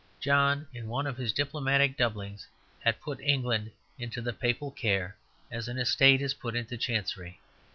John, in one of his diplomatic doublings, had put England into the papal care, as an estate is put in Chancery.